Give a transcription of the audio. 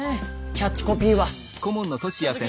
キャッチコピーは。